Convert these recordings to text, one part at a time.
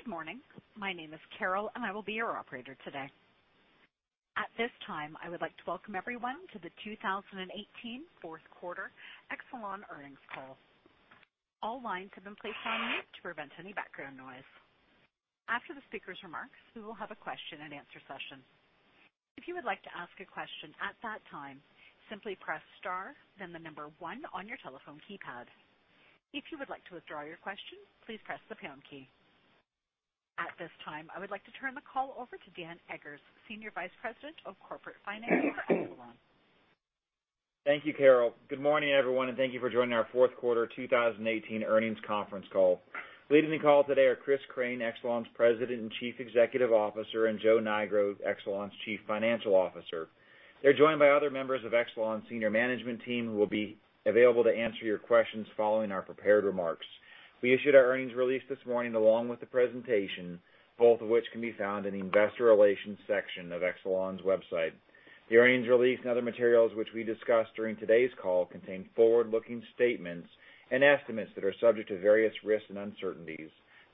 Good morning. My name is Carol. I will be your operator today. At this time, I would like to welcome everyone to the 2018 fourth quarter Exelon earnings call. All lines have been placed on mute to prevent any background noise. After the speaker's remarks, we will have a question and answer session. If you would like to ask a question at that time, simply press star then one on your telephone keypad. If you would like to withdraw your question, please press the pound key. At this time, I would like to turn the call over to Dan Eggers, Senior Vice President of Corporate Finance for Exelon. Thank you, Carol. Good morning, everyone, and thank you for joining our fourth quarter 2018 earnings conference call. Leading the call today are Chris Crane, Exelon's President and Chief Executive Officer, and Joe Nigro, Exelon's Chief Financial Officer. They're joined by other members of Exelon's senior management team, who will be available to answer your questions following our prepared remarks. We issued our earnings release this morning along with the presentation, both of which can be found in the investor relations section of Exelon's website. The earnings release and other materials which we discuss during today's call contain forward-looking statements and estimates that are subject to various risks and uncertainties.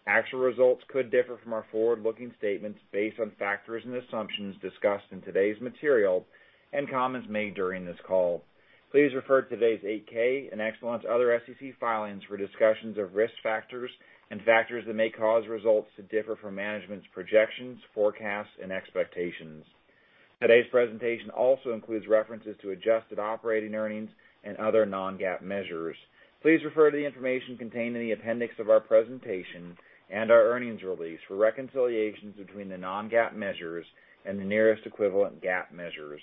Actual results could differ from our forward-looking statements based on factors and assumptions discussed in today's material and comments made during this call. Please refer to today's 8-K and Exelon's other SEC filings for discussions of risk factors and factors that may cause results to differ from management's projections, forecasts, and expectations. Today's presentation also includes references to adjusted operating earnings and other non-GAAP measures. Please refer to the information contained in the appendix of our presentation and our earnings release for reconciliations between the non-GAAP measures and the nearest equivalent GAAP measures.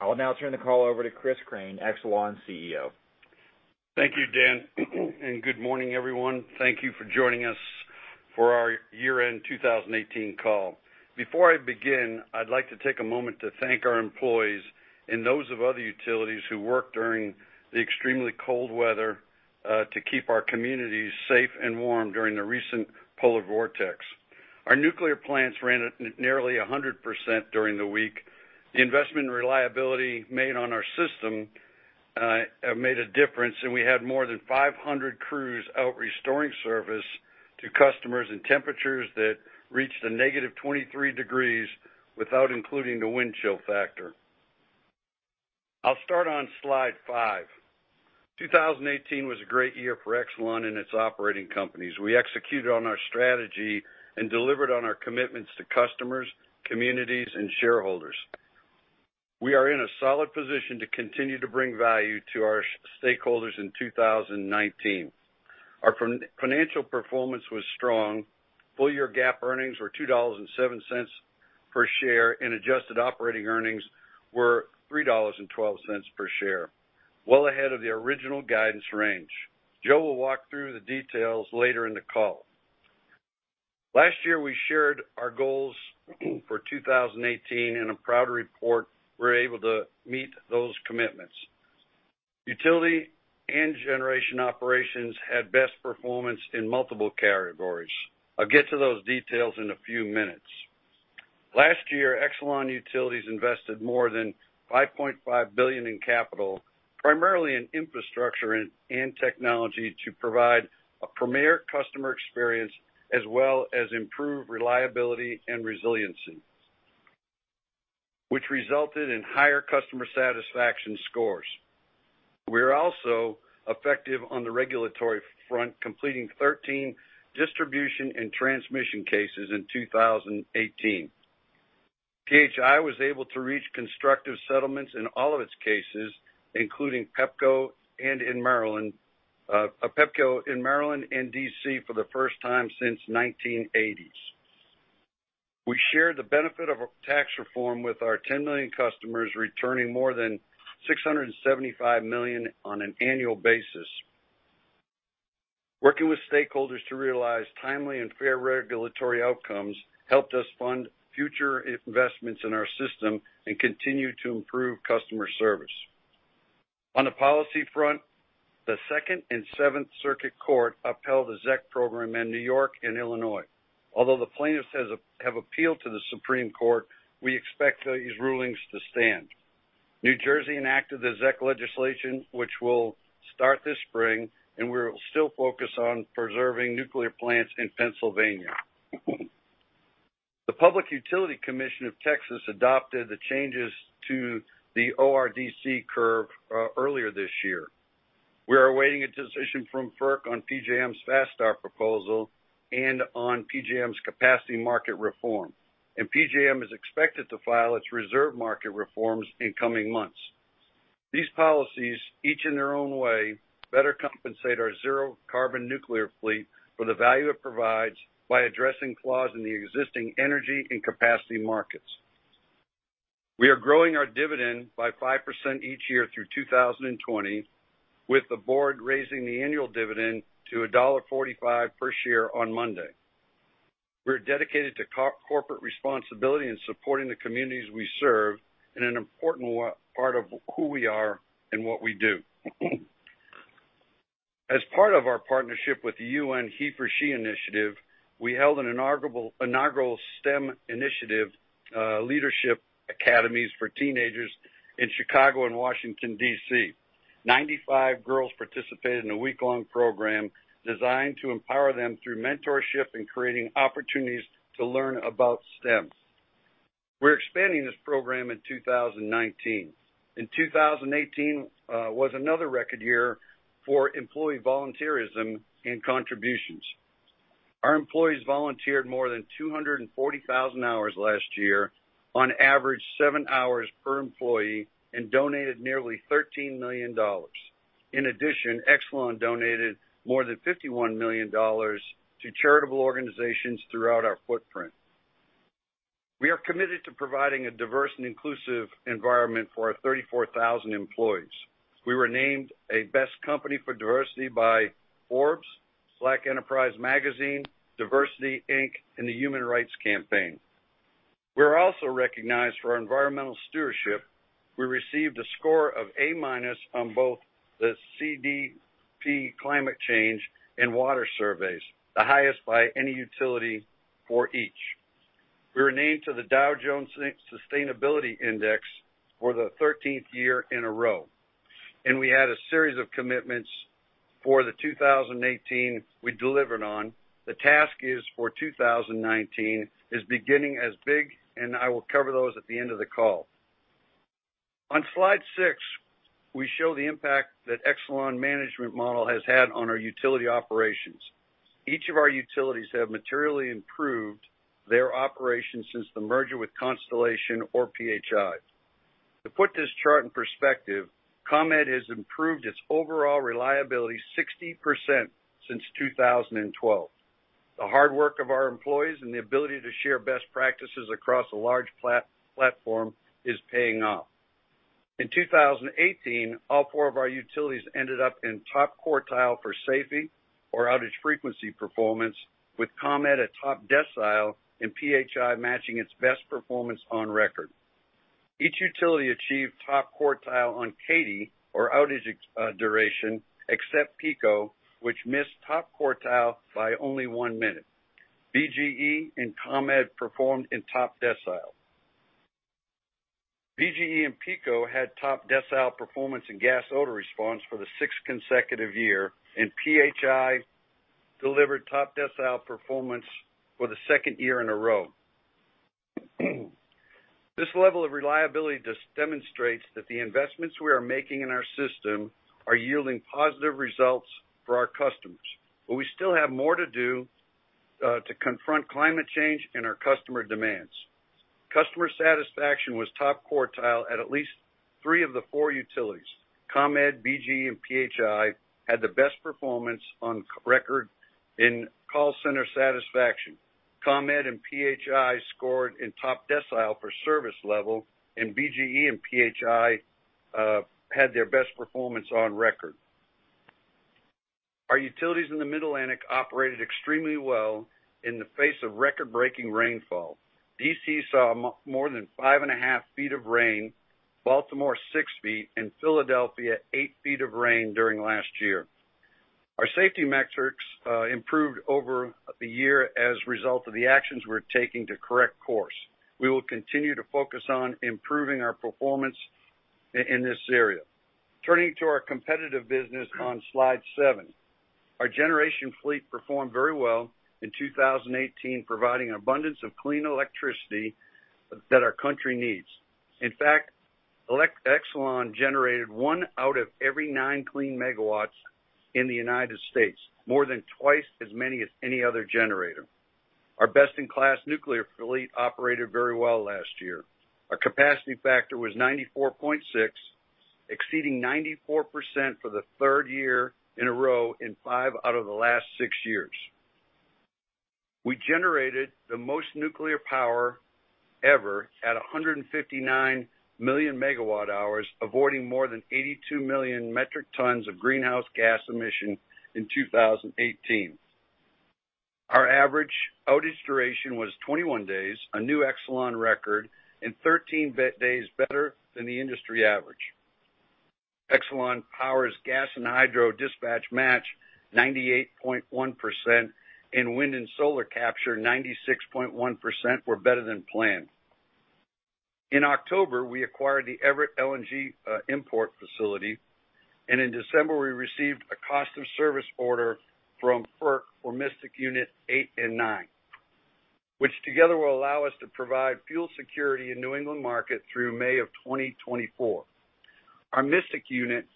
I will now turn the call over to Chris Crane, Exelon's CEO. Thank you, Dan. Good morning, everyone. Thank you for joining us for our year-end 2018 call. Before I begin, I'd like to take a moment to thank our employees and those of other utilities who worked during the extremely cold weather, to keep our communities safe and warm during the recent polar vortex. Our nuclear plants ran at nearly 100% during the week. The investment in reliability made on our system have made a difference. We had more than 500 crews out restoring service to customers in temperatures that reached a -23 degrees without including the wind chill factor. I'll start on slide five. 2018 was a great year for Exelon and its operating companies. We executed on our strategy and delivered on our commitments to customers, communities, and shareholders. We are in a solid position to continue to bring value to our stakeholders in 2019. Our financial performance was strong. Full-year GAAP earnings were $2.07 per share, and adjusted operating earnings were $3.12 per share, well ahead of the original guidance range. Joe will walk through the details later in the call. Last year, we shared our goals for 2018, and I'm proud to report we were able to meet those commitments. Utility and generation operations had best performance in multiple categories. I'll get to those details in a few minutes. Last year, Exelon Utilities invested more than $5.5 billion in capital, primarily in infrastructure and technology, to provide a premier customer experience as well as improve reliability and resiliency, which resulted in higher customer satisfaction scores. We were also effective on the regulatory front, completing 13 distribution and transmission cases in 2018. PHI was able to reach constructive settlements in all of its cases, including Pepco in Maryland and D.C. for the first time since 1980s. We shared the benefit of a tax reform with our 10 million customers, returning more than $675 million on an annual basis. Working with stakeholders to realize timely and fair regulatory outcomes helped us fund future investments in our system and continue to improve customer service. On the policy front, the Second and Seventh Circuit Court upheld the ZEC program in New York and Illinois. Although the plaintiffs have appealed to the Supreme Court, we expect these rulings to stand. New Jersey enacted the ZEC legislation, which will start this spring, and we're still focused on preserving nuclear plants in Pennsylvania. The Public Utility Commission of Texas adopted the changes to the ORDC curve earlier this year. We are awaiting a decision from FERC on PJM's Fast Start proposal and on PJM's capacity market reform. PJM is expected to file its reserve market reforms in coming months. These policies, each in their own way, better compensate our zero-carbon nuclear fleet for the value it provides by addressing flaws in the existing energy and capacity markets. We are growing our dividend by 5% each year through 2020, with the board raising the annual dividend to $1.45 per share on Monday. We're dedicated to corporate responsibility and supporting the communities we serve in an important part of who we are and what we do. As part of our partnership with the UN HeForShe initiative, we held an inaugural STEM initiative leadership academies for teenagers in Chicago and Washington, D.C. Ninety-five girls participated in a week-long program designed to empower them through mentorship and creating opportunities to learn about STEM. We're expanding this program in 2019. 2018 was another record year for employee volunteerism and contributions. Our employees volunteered more than 240,000 hours last year, on average, seven hours per employee, and donated nearly $13 million. In addition, Exelon donated more than $51 million to charitable organizations throughout our footprint. We are committed to providing a diverse and inclusive environment for our 34,000 employees. We were named a best company for diversity by Forbes, Black Enterprise Magazine, DiversityInc, and the Human Rights Campaign. We're also recognized for our environmental stewardship. We received a score of A- on both the CDP Climate Change and Water Surveys, the highest by any utility for each. We were named to the Dow Jones Sustainability Index for the 13th year in a row, and we had a series of commitments for the 2018 we delivered on. The task for 2019 is beginning as big, and I will cover those at the end of the call. On slide six, we show the impact that Exelon management model has had on our utility operations. Each of our utilities have materially improved their operations since the merger with Constellation or PHI. To put this chart in perspective, ComEd has improved its overall reliability 60% since 2012. The hard work of our employees and the ability to share best practices across a large platform is paying off. In 2018, all four of our utilities ended up in top quartile for SAIDI or outage frequency performance, with ComEd at top decile and PHI matching its best performance on record. Each utility achieved top quartile on CAIDI or outage duration, except PECO, which missed top quartile by only one minute. BGE and PECO had top decile performance in gas odor response for the sixth consecutive year, and PHI delivered top decile performance for the second year in a row. This level of reliability just demonstrates that the investments we are making in our system are yielding positive results for our customers, but we still have more to do to confront climate change and our customer demands. Customer satisfaction was top quartile at at least three of the four utilities. ComEd, BGE, and PHI had the best performance on record in call center satisfaction. ComEd and PHI scored in top decile for service level, and BGE and PHI had their best performance on record. Our utilities in the Mid-Atlantic operated extremely well in the face of record-breaking rainfall. D.C. saw more than 5.5 ft of rain, Baltimore 6 ft, and Philadelphia 8 ft of rain during last year. Our safety metrics improved over the year as a result of the actions we're taking to correct course. We will continue to focus on improving our performance in this area. Turning to our competitive business on slide seven. Our generation fleet performed very well in 2018, providing an abundance of clean electricity that our country needs. In fact, Exelon generated one out of every nine clean megawatts in the United States, more than twice as many as any other generator. Our best-in-class nuclear fleet operated very well last year. Our capacity factor was 94.6, exceeding 94% for the third year in a row in five out of the last six years. We generated the most nuclear power ever at 159 million megawatt hours, avoiding more than 82 million metric tons of greenhouse gas emission in 2018. Our average outage duration was 21 days, a new Exelon record, and 13 days better than the industry average. Exelon Power's gas and hydro dispatch match 98.1%, and wind and solar capture 96.1% were better than planned. In October, we acquired the Everett LNG import facility, and in December, we received a cost of service order from FERC for Mystic Unit 8 and 9. Which together will allow us to provide fuel security in New England market through May of 2024. Our Mystic units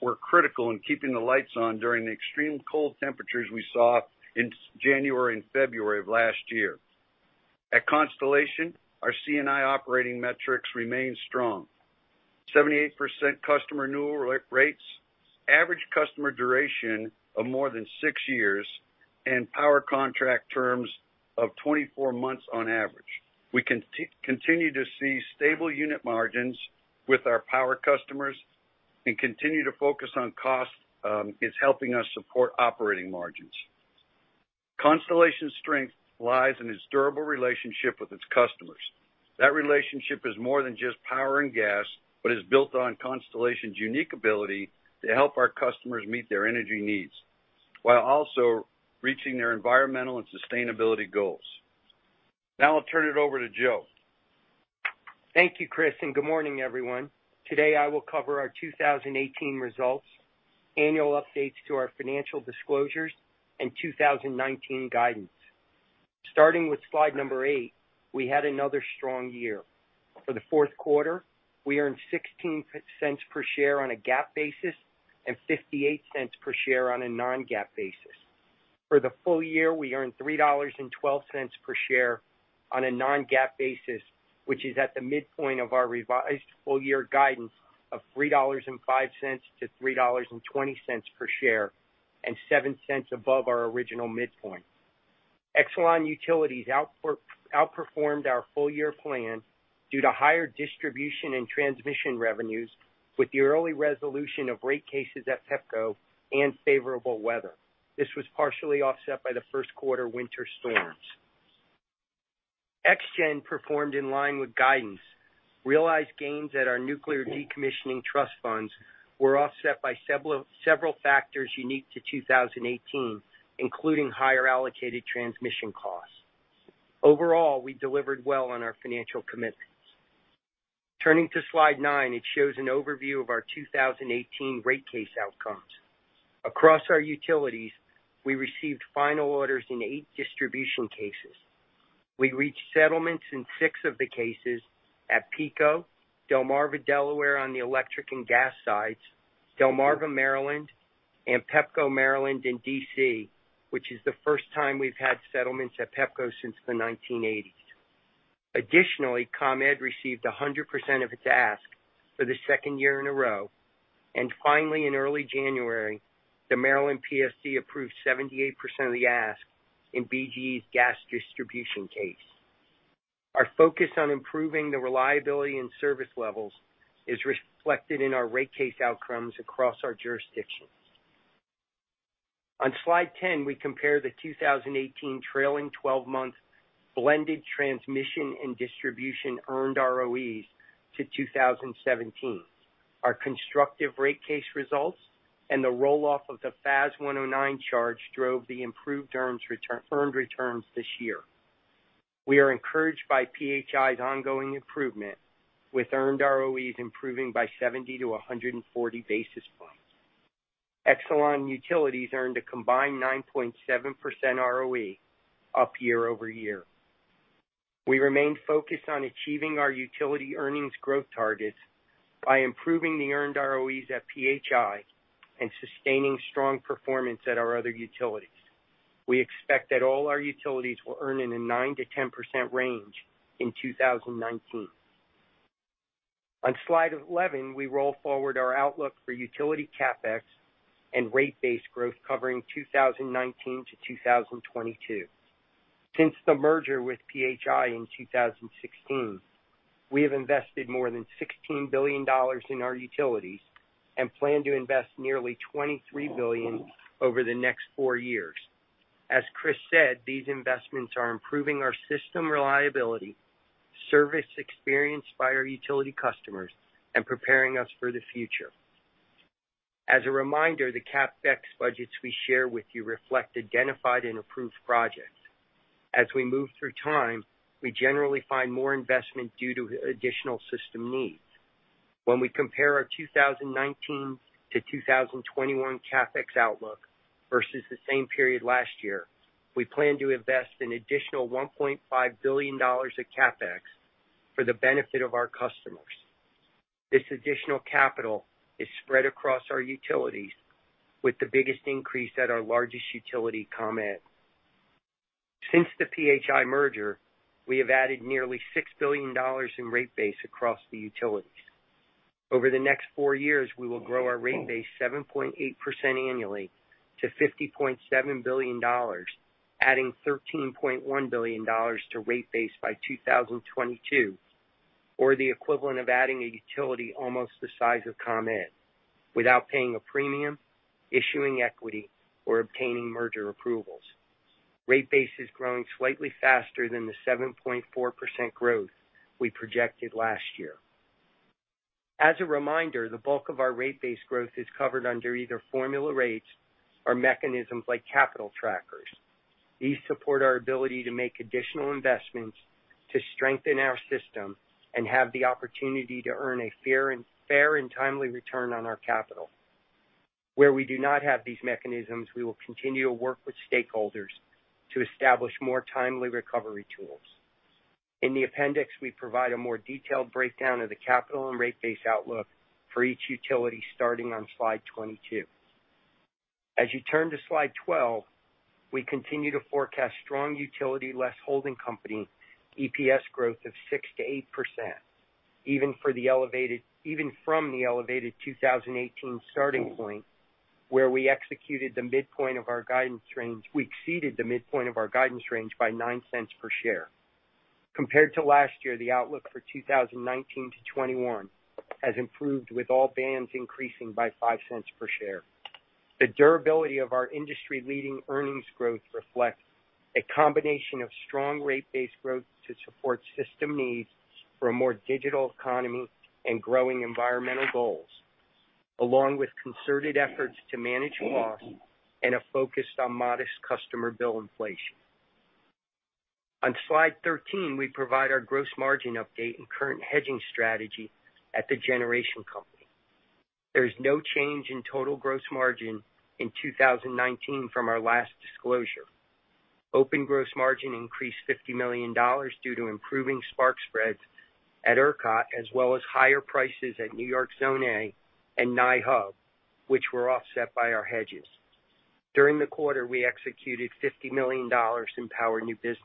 were critical in keeping the lights on during the extreme cold temperatures we saw in January and February of last year. At Constellation, our C&I operating metrics remain strong. 78% customer renewal rates, average customer duration of more than six years, and power contract terms of 24 months on average. We continue to see stable unit margins with our power customers and continue to focus on cost is helping us support operating margins. Constellation's strength lies in its durable relationship with its customers. That relationship is more than just power and gas, but is built on Constellation's unique ability to help our customers meet their energy needs, while also reaching their environmental and sustainability goals. Now I'll turn it over to Joe. Thank you, Chris, good morning, everyone. Today, I will cover our 2018 results, annual updates to our financial disclosures, and 2019 guidance. Starting with slide number eight, we had another strong year. For the fourth quarter, we earned $0.16 per share on a GAAP basis and $0.58 per share on a non-GAAP basis. For the full year, we earned $3.12 per share on a non-GAAP basis, which is at the midpoint of our revised full-year guidance of $3.05-$3.20 per share, $0.07 above our original midpoint. Exelon Utilities outperformed our full-year plan due to higher distribution and transmission revenues, with the early resolution of rate cases at Pepco and favorable weather. This was partially offset by the first quarter winter storms. ExGen performed in line with guidance. Realized gains at our nuclear decommissioning trust funds were offset by several factors unique to 2018, including higher allocated transmission costs. Overall, we delivered well on our financial commitments. Turning to slide nine, it shows an overview of our 2018 rate case outcomes. Across our utilities, we received final orders in eight distribution cases. We reached settlements in six of the cases at PECO, Delmarva Delaware on the electric and gas sides, Delmarva Maryland, and Pepco Maryland in D.C., which is the first time we've had settlements at Pepco since the 1980s. Additionally, ComEd received 100% of its ask for the second year in a row. Finally, in early January, the Maryland PSC approved 78% of the ask in BGE's gas distribution case. Our focus on improving the reliability and service levels is reflected in our rate case outcomes across our jurisdictions. On slide 10, we compare the 2018 trailing 12-month blended transmission and distribution earned ROEs to 2017. Our constructive rate case results and the roll-off of the FAS 109 charge drove the improved earned returns this year. We are encouraged by PHI's ongoing improvement, with earned ROEs improving by 70-140 basis points. Exelon Utilities earned a combined 9.7% ROE up year-over-year. We remain focused on achieving our utility earnings growth targets by improving the earned ROEs at PHI and sustaining strong performance at our other utilities. We expect that all our utilities will earn in a 9%-10% range in 2019. On slide 11, we roll forward our outlook for utility CapEx and rate base growth covering 2019-2022. Since the merger with PHI in 2016, we have invested more than $16 billion in our utilities and plan to invest nearly $23 billion over the next four years. As Chris said, these investments are improving our system reliability, service experienced by our utility customers, and preparing us for the future. As a reminder, the CapEx budgets we share with you reflect identified and approved projects. As we move through time, we generally find more investment due to additional system needs. When we compare our 2019 to 2021 CapEx outlook versus the same period last year, we plan to invest an additional $1.5 billion of CapEx for the benefit of our customers. This additional capital is spread across our utilities, with the biggest increase at our largest utility, ComEd. Since the PHI merger, we have added nearly $6 billion in rate base across the utilities. Over the next four years, we will grow our rate base 7.8% annually to $50.7 billion, adding $13.1 billion to rate base by 2022, or the equivalent of adding a utility almost the size of ComEd without paying a premium, issuing equity, or obtaining merger approvals. Rate base is growing slightly faster than the 7.4% growth we projected last year. As a reminder, the bulk of our rate base growth is covered under either formula rates or mechanisms like capital trackers. These support our ability to make additional investments to strengthen our system and have the opportunity to earn a fair and timely return on our capital. Where we do not have these mechanisms, we will continue to work with stakeholders to establish more timely recovery tools. In the appendix, we provide a more detailed breakdown of the capital and rate base outlook for each utility starting on slide 22. As you turn to slide 12, we continue to forecast strong utility less holding company EPS growth of 6%-8%, even from the elevated 2018 starting point, where we exceeded the midpoint of our guidance range by $0.09 per share. Compared to last year, the outlook for 2019 to 2021 has improved with all bands increasing by $0.05 per share. The durability of our industry-leading earnings growth reflects a combination of strong rate base growth to support system needs for a more digital economy and growing environmental goals. Along with concerted efforts to manage costs and a focus on modest customer bill inflation. On slide 13, we provide our gross margin update and current hedging strategy at the generation company. There is no change in total gross margin in 2019 from our last disclosure. Open gross margin increased $50 million due to improving spark spreads at ERCOT, as well as higher prices at New York Zone A and NY Hub, which were offset by our hedges. During the quarter, we executed $50 million in power new business.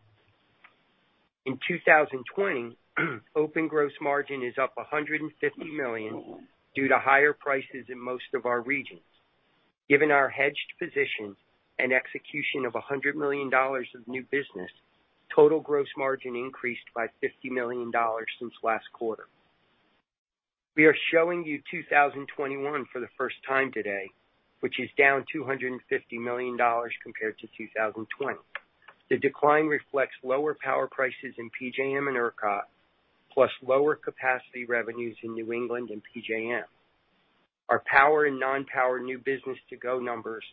In 2020, open gross margin is up $150 million due to higher prices in most of our regions. Given our hedged position and execution of $100 million of new business, total gross margin increased by $50 million since last quarter. We are showing you 2021 for the first time today, which is down $250 million compared to 2020. The decline reflects lower power prices in PJM and ERCOT, plus lower capacity revenues in New England and PJM. Our power and non-power new business to-go numbers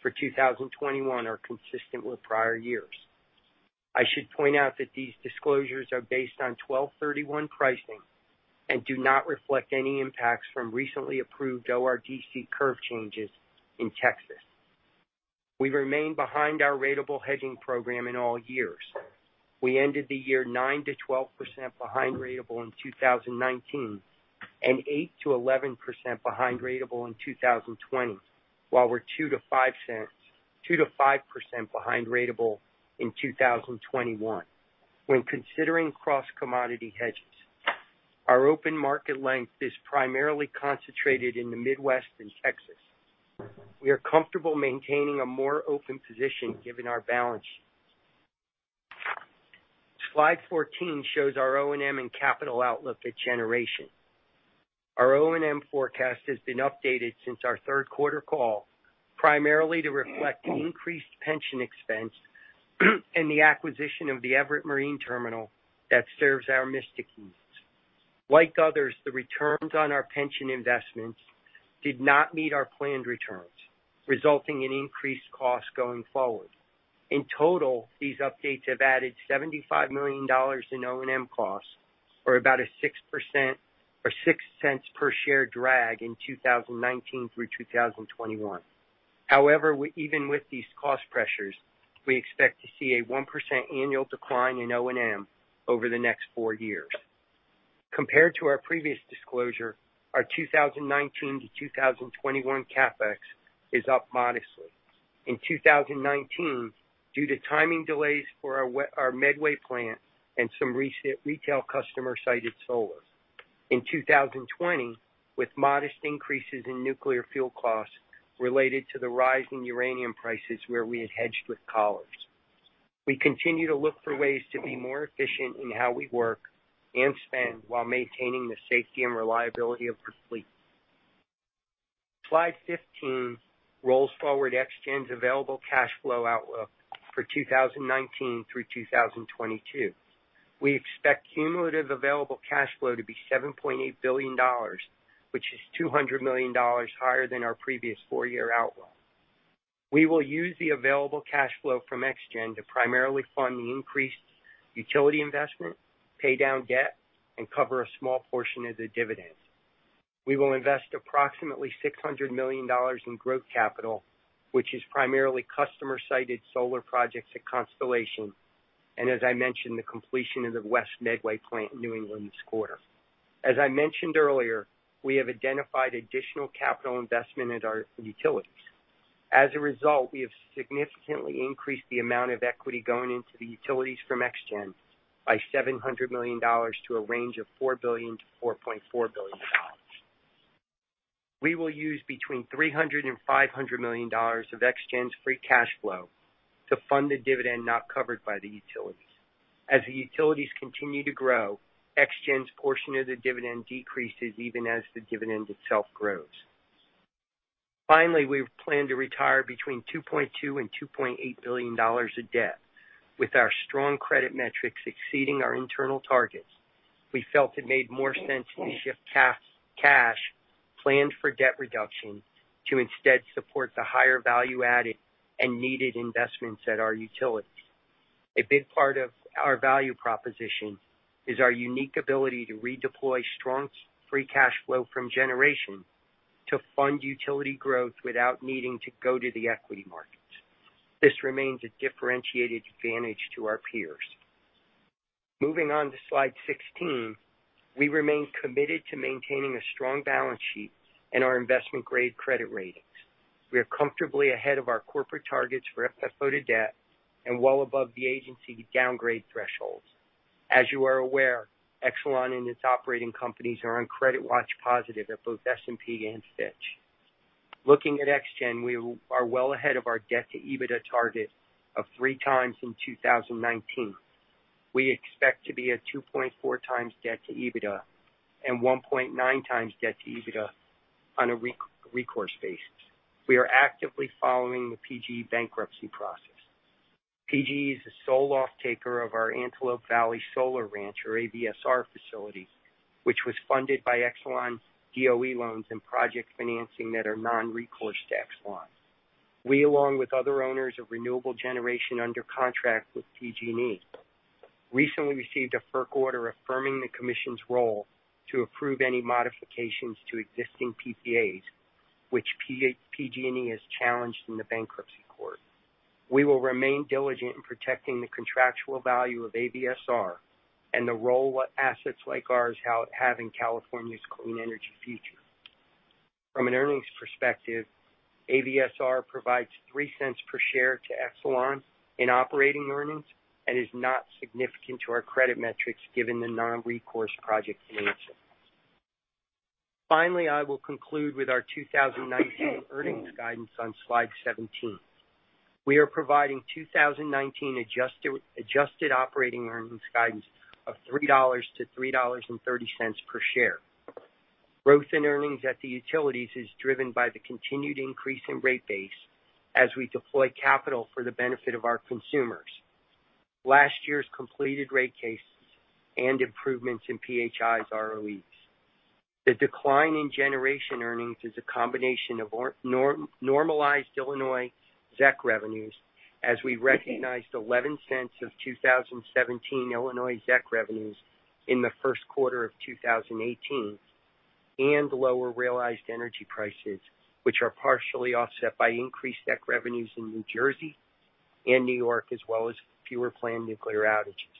for 2021 are consistent with prior years. I should point out that these disclosures are based on 12/31 pricing and do not reflect any impacts from recently approved ORDC curve changes in Texas. We remain behind our ratable hedging program in all years. We ended the year 9%-12% behind ratable in 2019, and 8%-11% behind ratable in 2020. While we are 2%-5% behind ratable in 2021. When considering cross-commodity hedges, our open market length is primarily concentrated in the Midwest and Texas. We are comfortable maintaining a more open position given our balance sheet. Slide 14 shows our O&M and capital outlook at generation. Our O&M forecast has been updated since our third quarter call, primarily to reflect the increased pension expense and the acquisition of the Everett Marine Terminal that serves our Mystic units. Like others, the returns on our pension investments did not meet our planned returns, resulting in increased costs going forward. In total, these updates have added $75 million in O&M costs, or about a 6% or $0.06 per share drag in 2019 through 2021. However, even with these cost pressures, we expect to see a 1% annual decline in O&M over the next four years. Compared to our previous disclosure, our 2019 to 2021 CapEx is up modestly. In 2019, due to timing delays for our Medway plant and some recent retail customer-sited solar. In 2020, with modest increases in nuclear fuel costs related to the rise in uranium prices, where we had hedged with collars. We continue to look for ways to be more efficient in how we work and spend while maintaining the safety and reliability of our fleet. Slide 15 rolls forward ExGen's available cash flow outlook for 2019 through 2022. We expect cumulative available cash flow to be $7.8 billion, which is $200 million higher than our previous four-year outlook. We will use the available cash flow from ExGen to primarily fund the increased utility investment, pay down debt, and cover a small portion of the dividend. We will invest approximately $600 million in growth capital, which is primarily customer-sited solar projects at Constellation, and as I mentioned, the completion of the West Medway plant in New England this quarter. As I mentioned earlier, we have identified additional capital investment at our utilities. As a result, we have significantly increased the amount of equity going into the utilities from ExGen by $700 million to a range of $4 billion-$4.4 billion. We will use between $300 million and $500 million of ExGen's free cash flow to fund the dividend not covered by the utilities. As the utilities continue to grow, ExGen's portion of the dividend decreases even as the dividend itself grows. Finally, we plan to retire between $2.2 billion and $2.8 billion of debt. With our strong credit metrics exceeding our internal targets, we felt it made more sense to shift cash planned for debt reduction to instead support the higher value-added and needed investments at our utilities. A big part of our value proposition is our unique ability to redeploy strong free cash flow from generation to fund utility growth without needing to go to the equity markets. This remains a differentiated advantage to our peers. Moving on to slide 16. We remain committed to maintaining a strong balance sheet and our investment-grade credit ratings. We are comfortably ahead of our corporate targets for FFO to debt and well above the agency downgrade thresholds. As you are aware, Exelon and its operating companies are on credit watch positive at both S&P and Fitch. Looking at ExGen, we are well ahead of our debt to EBITDA target of 3x in 2019. We expect to be at 2.4x debt to EBITDA and 1.9x debt to EBITDA on a recourse basis. We are actively following the PG&E bankruptcy process. PG&E is the sole off-taker of our Antelope Valley Solar Ranch, or AVSR facility, which was funded by Exelon DOE loans and project financing that are non-recourse to Exelon. We, along with other owners of renewable generation under contract with PG&E, recently received a FERC order affirming the commission's role to approve any modifications to existing PPAs, which PG&E has challenged in the bankruptcy court. We will remain diligent in protecting the contractual value of AVSR and the role assets like ours have in California's clean energy future. From an earnings perspective, AVSR provides $0.03 per share to Exelon in operating earnings and is not significant to our credit metrics given the non-recourse project financing. Finally, I will conclude with our 2019 earnings guidance on slide 17. We are providing 2019 adjusted operating earnings guidance of $3-$3.30 per share. Growth in earnings at the utilities is driven by the continued increase in rate base as we deploy capital for the benefit of our consumers. Last year's completed rate cases and improvements in PHI's ROEs. The decline in generation earnings is a combination of normalized Illinois ZEC revenues as we recognized $0.11 of 2017 Illinois ZEC revenues in the first quarter of 2018, and lower realized energy prices, which are partially offset by increased ZEC revenues in New Jersey and New York, as well as fewer planned nuclear outages.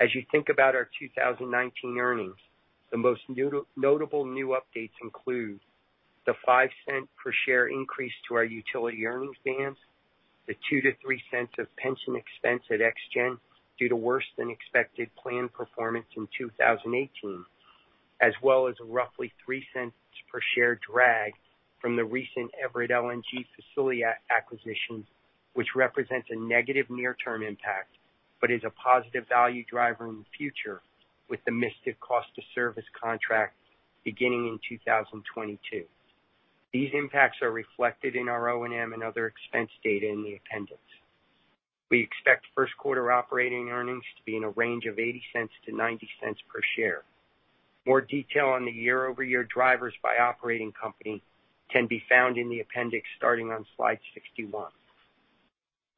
As you think about our 2019 earnings, the most notable new updates include the $0.05 per share increase to our utility earnings guidance, the $0.02-$0.03 of pension expense at ExGen due to worse-than-expected plan performance in 2018, as well as a roughly $0.03 per share drag from the recent Everett LNG facility acquisition, which represents a negative near-term impact but is a positive value driver in the future with the Mystic cost of service contract beginning in 2022. These impacts are reflected in our O&M and other expense data in the appendix. We expect first quarter operating earnings to be in a range of $0.80-$0.90 per share. More detail on the year-over-year drivers by operating company can be found in the appendix starting on slide 61.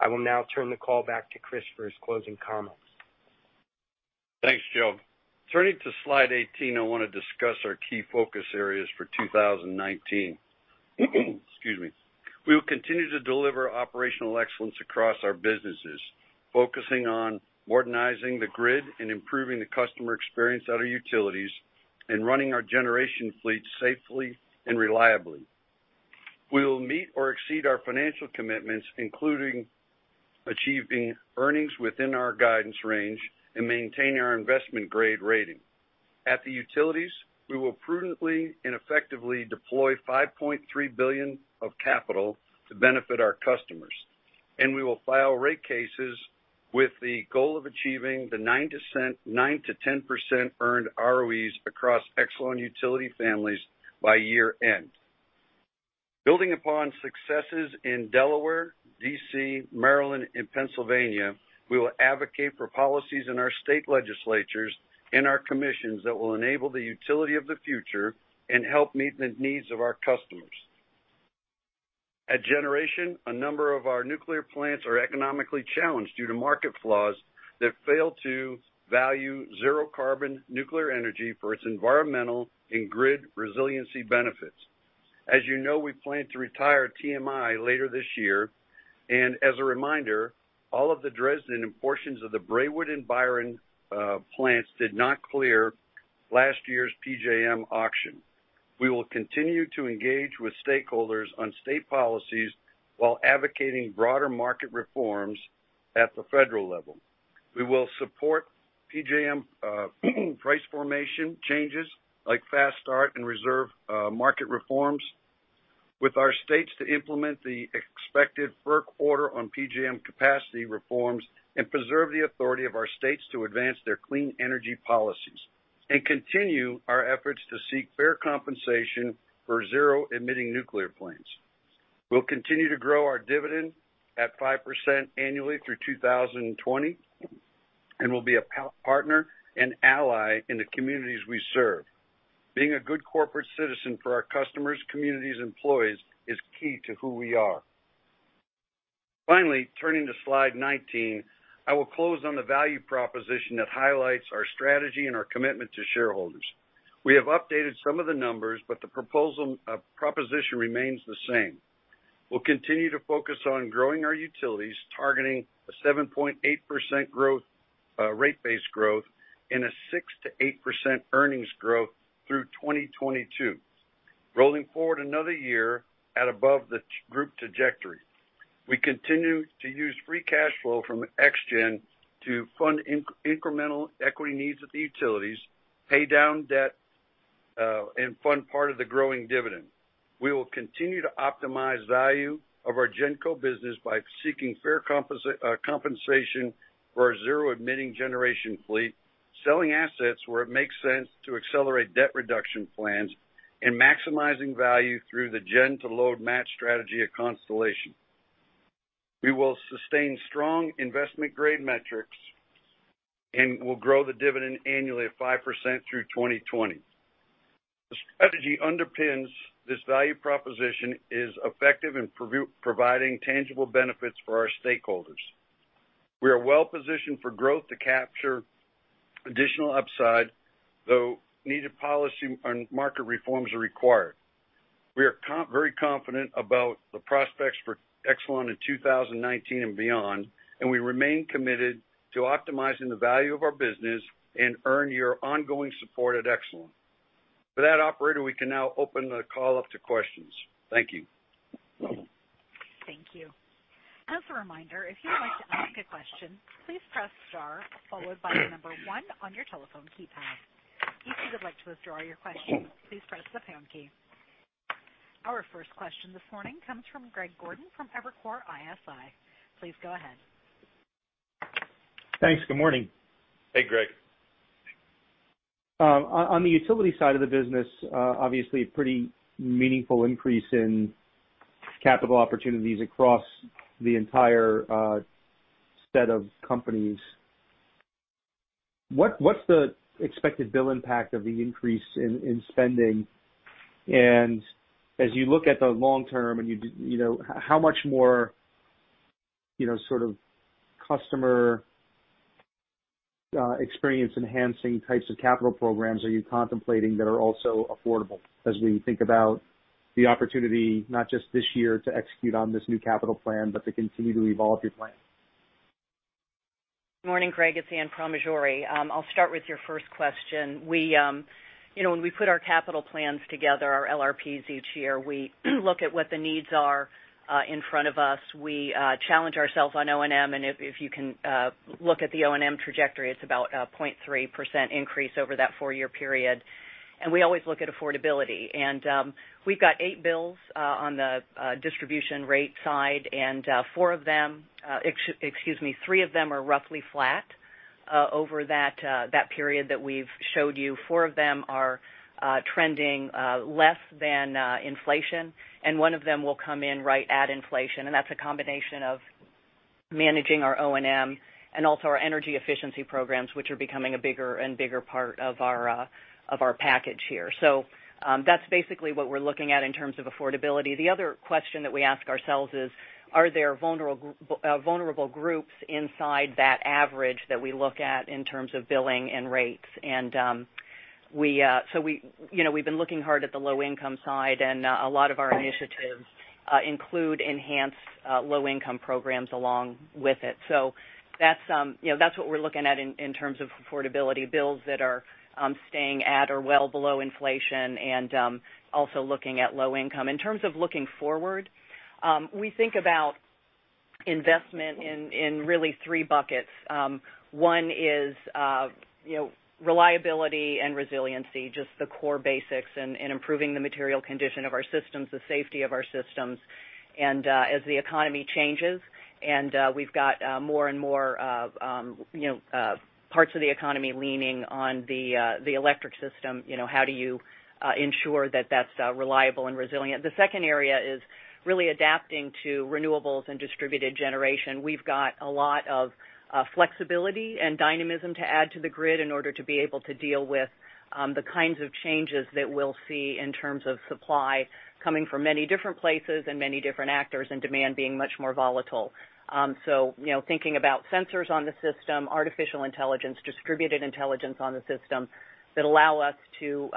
I will now turn the call back to Chris for his closing comments. Thanks, Joe. Turning to slide 18, I want to discuss our key focus areas for 2019. Excuse me. We will continue to deliver operational excellence across our businesses, focusing on modernizing the grid and improving the customer experience at our utilities, and running our generation fleet safely and reliably. We will meet or exceed our financial commitments, including achieving earnings within our guidance range and maintain our investment-grade rating. At the utilities, we will prudently and effectively deploy $5.3 billion of capital to benefit our customers, and we will file rate cases with the goal of achieving the 9%-10% earned ROEs across Exelon utility families by year-end. Building upon successes in Delaware, D.C., Maryland, and Pennsylvania, we will advocate for policies in our state legislatures and our commissions that will enable the utility of the future and help meet the needs of our customers. At Generation, a number of our nuclear plants are economically challenged due to market flaws that fail to value zero-carbon nuclear energy for its environmental and grid resiliency benefits. As you know, we plan to retire TMI later this year, and as a reminder, all of the Dresden and portions of the Braidwood and Byron plants did not clear last year's PJM auction. We will continue to engage with stakeholders on state policies while advocating broader market reforms at the federal level. We will support PJM price formation changes like Fast Start and reserve market reforms with our states to implement the expected FERC order on PJM capacity reforms and preserve the authority of our states to advance their clean energy policies and continue our efforts to seek fair compensation for zero-emitting nuclear plants. We'll continue to grow our dividend at 5% annually through 2020, and we'll be a partner and ally in the communities we serve. Being a good corporate citizen for our customers, communities, employees is key to who we are. Finally, turning to slide 19, I will close on the value proposition that highlights our strategy and our commitment to shareholders. We have updated some of the numbers, but the proposition remains the same. We'll continue to focus on growing our utilities, targeting a 7.8% rate-based growth and a 6%-8% earnings growth through 2022. Rolling forward another year at above the group trajectory. We continue to use free cash flow from ExGen to fund incremental equity needs at the utilities, pay down debt, and fund part of the growing dividend. We will continue to optimize value of our GenCo business by seeking fair compensation for our zero-emitting generation fleet. Selling assets where it makes sense to accelerate debt reduction plans and maximizing value through the gen to load match strategy of Constellation. We will sustain strong investment-grade metrics and will grow the dividend annually at 5% through 2020. The strategy underpins this value proposition is effective in providing tangible benefits for our stakeholders. We are well-positioned for growth to capture additional upside, though needed policy and market reforms are required. We are very confident about the prospects for Exelon in 2019 and beyond, and we remain committed to optimizing the value of our business and earn your ongoing support at Exelon. For that, operator, we can now open the call up to questions. Thank you. Thank you. As a reminder, if you would like to ask a question, please press star followed by the number one on your telephone keypad. If you would like to withdraw your question, please press the pound key. Our first question this morning comes from Greg Gordon from Evercore ISI. Please go ahead. Thanks. Good morning. Hey, Greg. On the utility side of the business, obviously a pretty meaningful increase in capital opportunities across the entire set of companies. What's the expected bill impact of the increase in spending? As you look at the long term, how much more sort of customer experience-enhancing types of capital programs are you contemplating that are also affordable as we think about the opportunity, not just this year to execute on this new capital plan, but to continue to evolve your plan? Morning, Greg. It's Anne Pramaggiore. I'll start with your first question. When we put our capital plans together, our LRPs each year, we look at what the needs are in front of us. We challenge ourselves on O&M, and if you can look at the O&M trajectory, it's about a 0.3% increase over that four-year period. We always look at affordability. We've got eight bills on the distribution rate side, and four of them, excuse me, three of them are roughly flat over that period that we've showed you. Four of them are trending less than inflation, and one of them will come in right at inflation, and that's a combination of managing our O&M and also our energy efficiency programs, which are becoming a bigger and bigger part of our package here. That's basically what we're looking at in terms of affordability. The other question that we ask ourselves is, are there vulnerable groups inside that average that we look at in terms of billing and rates? We've been looking hard at the low-income side, and a lot of our initiatives include enhanced low-income programs along with it. That's what we're looking at in terms of affordability, bills that are staying at or well below inflation and also looking at low income. In terms of looking forward, we think about investment in really three buckets. One is reliability and resiliency, just the core basics and improving the material condition of our systems, the safety of our systems. As the economy changes and we've got more and more parts of the economy leaning on the electric system, how do you ensure that that's reliable and resilient? The second area is really adapting to renewables and distributed generation. We've got a lot of flexibility and dynamism to add to the grid in order to be able to deal with the kinds of changes that we'll see in terms of supply coming from many different places and many different actors, and demand being much more volatile. Thinking about sensors on the system, artificial intelligence, distributed intelligence on the system that allow us to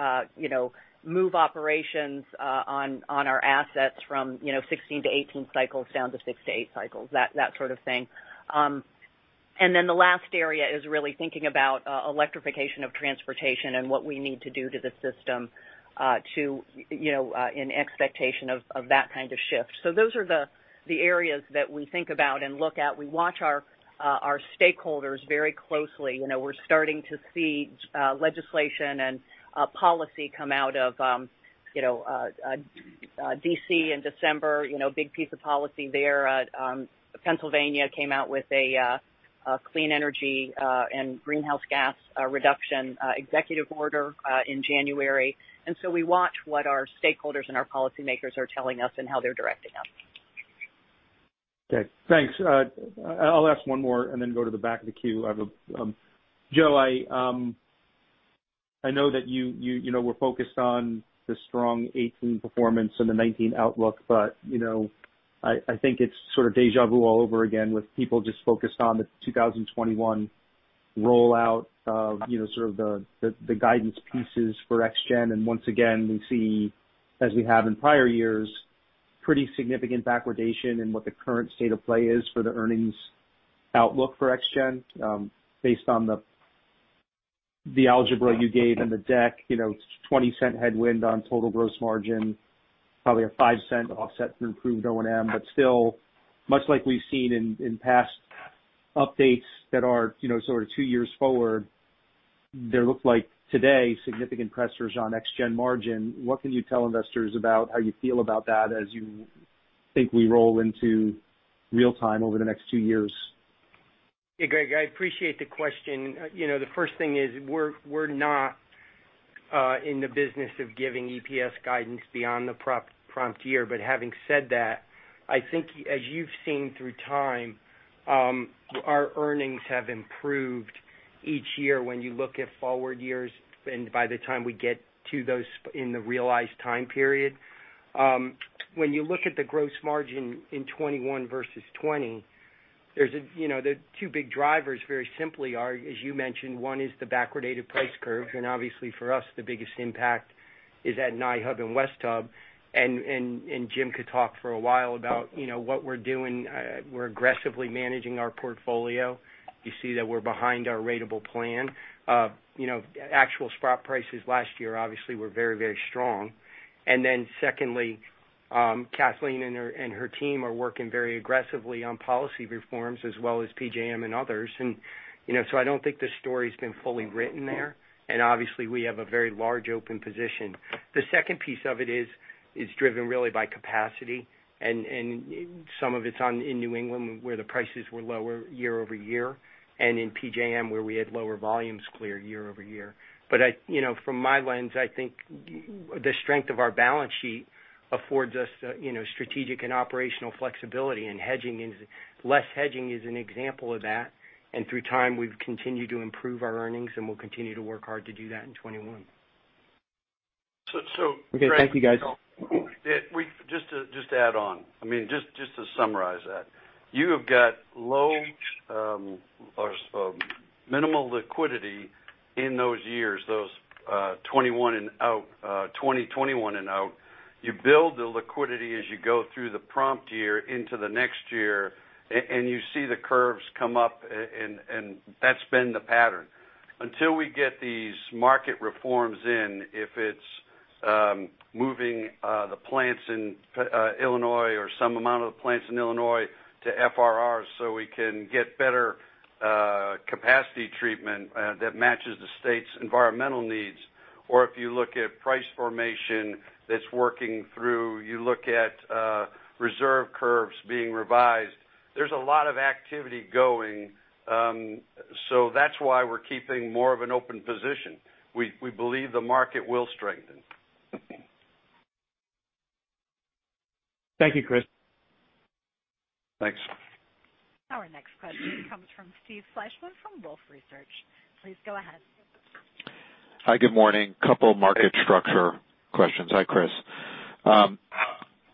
move operations on our assets from 16-18 cycles down to six to eight cycles, that sort of thing. The last area is really thinking about electrification of transportation and what we need to do to the system in expectation of that kind of shift. Those are the areas that we think about and look at. We watch our stakeholders very closely. We're starting to see legislation and policy come out of D.C. in December, big piece of policy there. Pennsylvania came out with a clean energy and greenhouse gas reduction executive order in January. We watch what our stakeholders and our policymakers are telling us and how they're directing us. Okay, thanks. I'll ask one more and then go to the back of the queue. Joe, I know that you were focused on the strong 2018 performance and the 2019 outlook, I think it's sort of deja vu all over again with people just focused on the 2021 rollout of sort of the guidance pieces for ExGen. Once again, we see, as we have in prior years, pretty significant backwardation in what the current state of play is for the earnings outlook for ExGen. Based on the algebra you gave in the deck, $0.20 headwind on total gross margin, probably a $0.05 offset through improved O&M. Still, much like we've seen in past updates that are sort of two years forward, there looks like today significant pressures on ExGen margin. What can you tell investors about how you feel about that as we think we roll into real time over the next two years. Yeah, Greg, I appreciate the question. The first thing is we're not in the business of giving EPS guidance beyond the prompt year. Having said that, I think as you've seen through time, our earnings have improved each year when you look at forward years and by the time we get to those in the realized time period. When you look at the gross margin in 2021 versus 2020, the two big drivers very simply are, as you mentioned, one is the backwardated price curves. Obviously for us, the biggest impact is at NI-Hub and West Hub. Jim could talk for a while about what we're doing. We're aggressively managing our portfolio. You see that we're behind our ratable plan. Actual spot prices last year obviously were very strong. Secondly, Kathleen and her team are working very aggressively on policy reforms as well as PJM and others. So I don't think the story's been fully written there. Obviously we have a very large open position. The second piece of it is driven really by capacity and some of it's in New England, where the prices were lower year-over-year, and in PJM, where we had lower volumes cleared year-over-year. From my lens, I think the strength of our balance sheet affords us strategic and operational flexibility, and less hedging is an example of that. Through time, we've continued to improve our earnings, and we'll continue to work hard to do that in 2021. Okay. Thank you, guys. Greg, just to summarize that. You have got minimal liquidity in those years, those 2021 and out. You build the liquidity as you go through the prompt year into the next year, and you see the curves come up, and that's been the pattern. Until we get these market reforms in, if it's moving the plants in Illinois or some amount of the plants in Illinois to FRRs so we can get better capacity treatment that matches the state's environmental needs. If you look at price formation that's working through, you look at reserve curves being revised. There's a lot of activity going. That's why we're keeping more of an open position. We believe the market will strengthen. Thank you, Chris. Thanks. Our next question comes from Steve Fleishman from Wolfe Research. Please go ahead. Hi, good morning. Couple market structure questions. Hi, Chris.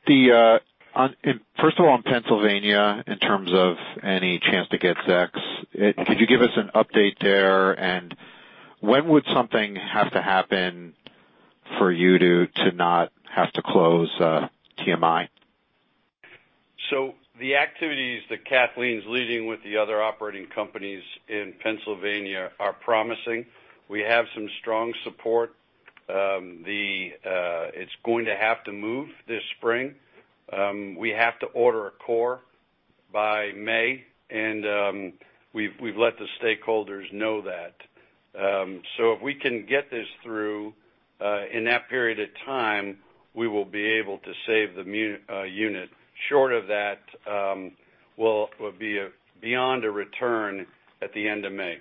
First of all, on Pennsylvania, in terms of any chance to get ZEC, could you give us an update there? When would something have to happen for you to not have to close TMI? The activities that Kathleen's leading with the other operating companies in Pennsylvania are promising. We have some strong support. It's going to have to move this spring. We have to order a core by May, and we've let the stakeholders know that. If we can get this through in that period of time, we will be able to save the unit. Short of that, will be beyond a return at the end of May.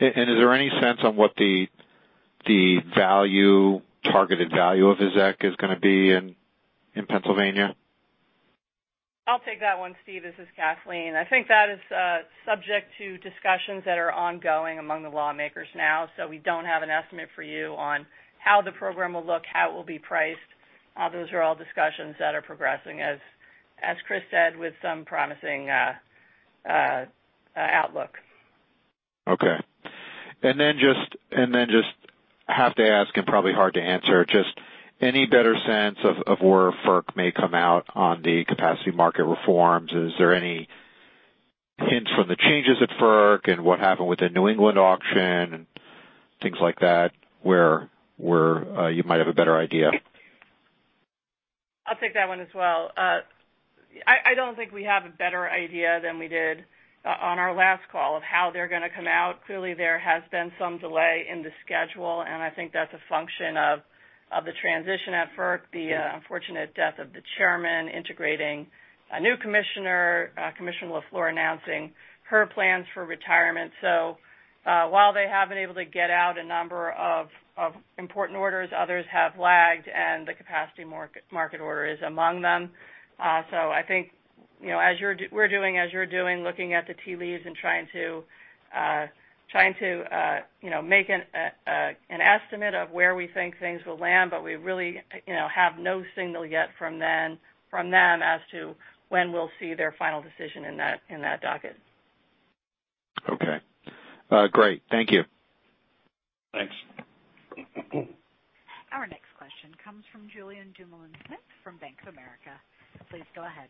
Is there any sense on what the targeted value of a ZEC is going to be in Pennsylvania? I'll take that one, Steve. This is Kathleen. I think that is subject to discussions that are ongoing among the lawmakers now. We don't have an estimate for you on how the program will look, how it will be priced. Those are all discussions that are progressing, as Chris said, with some promising outlook. Okay. Just have to ask, probably hard to answer. Just any better sense of where FERC may come out on the capacity market reforms? Is there any hint from the changes at FERC and what happened with the New England auction and things like that, where you might have a better idea? I'll take that one as well. I don't think we have a better idea than we did on our last call of how they're going to come out. Clearly, there has been some delay in the schedule, and I think that's a function of the transition at FERC, the unfortunate death of the chairman, integrating a new commissioner, Commissioner LaFleur announcing her plans for retirement. While they have been able to get out a number of important orders, others have lagged, and the capacity market order is among them. I think we're doing as you're doing, looking at the tea leaves and trying to make an estimate of where we think things will land. We really have no signal yet from them as to when we'll see their final decision in that docket. Okay. Great. Thank you. Thanks. Our next question comes from Julien Dumoulin-Smith from Bank of America. Please go ahead.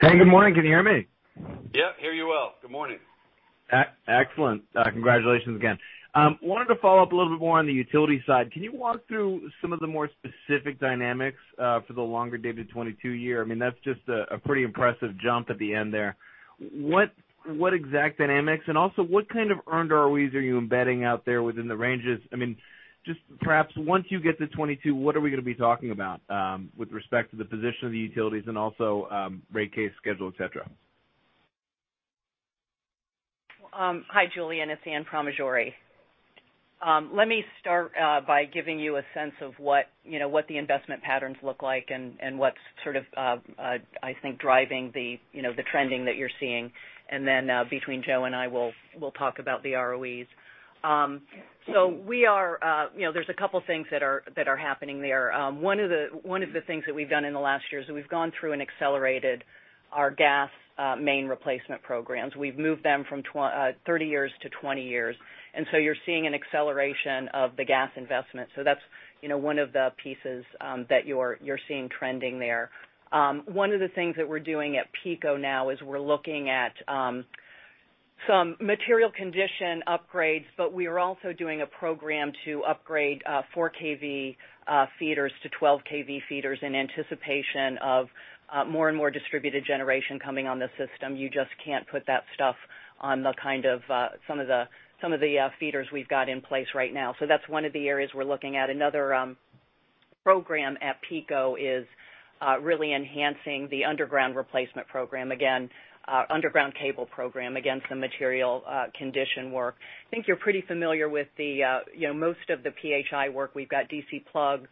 Hey, good morning. Can you hear me? Yeah, hear you well. Good morning. Excellent. Congratulations again. Wanted to follow up a little bit more on the utility side. Can you walk through some of the more specific dynamics for the longer-dated 2022 year? That's just a pretty impressive jump at the end there. What exact dynamics, and also what kind of earned ROEs are you embedding out there within the ranges? Just perhaps once you get to 2022, what are we going to be talking about with respect to the position of the utilities and also rate case schedule, et cetera? Hi, Julien. It's Anne Pramaggiore. Let me start by giving you a sense of what the investment patterns look like and what's driving the trending that you're seeing. Then between Joe and I, we'll talk about the ROEs. There's a couple things that are happening there. One of the things that we've done in the last year is we've gone through and accelerated our gas main replacement programs. We've moved them from 30 years to 20 years. So you're seeing an acceleration of the gas investment. That's one of the pieces that you're seeing trending there. One of the things that we're doing at PECO now is we're looking at some material condition upgrades. We are also doing a program to upgrade 4 kV feeders to 12 kV feeders in anticipation of more and more distributed generation coming on the system. You just can't put that stuff on some of the feeders we've got in place right now. That's one of the areas we're looking at. Another program at PECO is really enhancing the underground replacement program. Again, underground cable program. Again, some material condition work. I think you're pretty familiar with most of the PHI work. We've got DC PLUG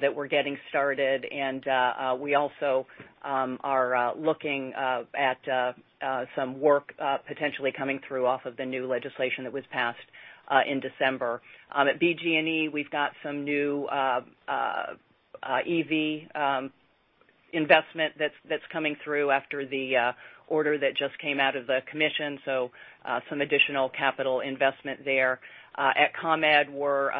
that we're getting started. We also are looking at some work potentially coming through off of the new legislation that was passed in December. At BGE, we've got some new EV investment that's coming through after the order that just came out of the commission, so some additional capital investment there. At ComEd, we're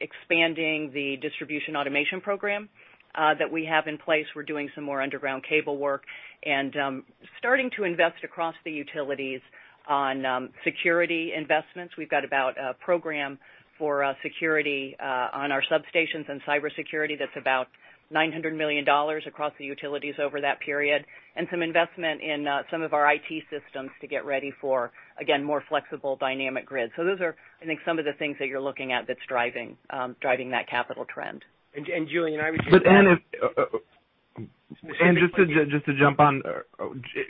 expanding the distribution automation program that we have in place. We're doing some more underground cable work and starting to invest across the utilities on security investments. We've got about a program for security on our substations and cybersecurity that's about $900 million across the utilities over that period. Some investment in some of our IT systems to get ready for, again, more flexible dynamic grid. Those are, I think, some of the things that you're looking at that's driving that capital trend. Julien, I would just Anne, just to jump on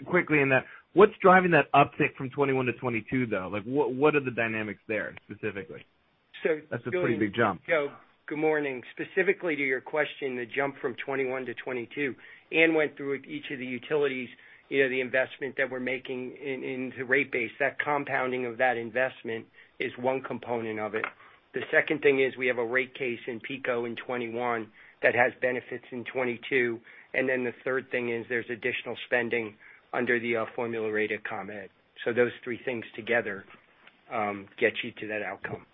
quickly in that, what's driving that uptick from 2021 to 2022, though? What are the dynamics there specifically? So- That's a pretty big jump. Julien, good morning. Specifically to your question, the jump from 2021 to 2022, Anne went through each of the utilities, the investment that we're making into rate base. That compounding of that investment is one component of it. The second thing is we have a rate case in PECO in 2021 that has benefits in 2022. The third thing is there's additional spending under the formula rate at ComEd. Those three things together get you to that outcome.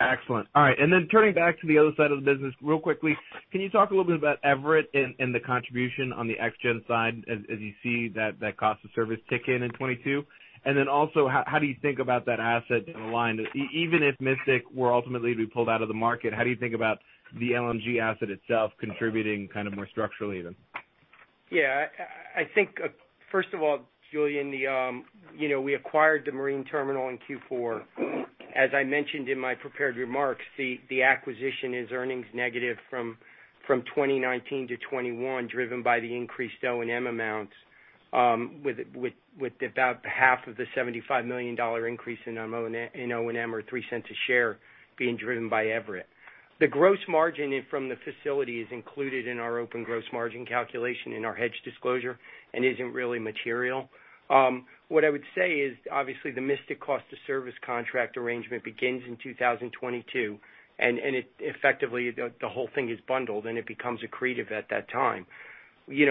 Excellent. All right. Turning back to the other side of the business real quickly, can you talk a little bit about Everett and the contribution on the ExGen side as you see that cost of service tick in in 2022? How do you think about that asset down the line? Even if Mystic were ultimately to be pulled out of the market, how do you think about the LNG asset itself contributing more structurally then? Yeah. I think, first of all, Julien, we acquired the marine terminal in Q4. As I mentioned in my prepared remarks, the acquisition is earnings negative from 2019 to 2021, driven by the increased O&M amounts, with about half of the $75 million increase in O&M, or $0.03 a share, being driven by Everett. The gross margin from the facility is included in our open gross margin calculation in our hedge disclosure and isn't really material. What I would say is, obviously, the Mystic cost of service contract arrangement begins in 2022, effectively, the whole thing is bundled, it becomes accretive at that time. We had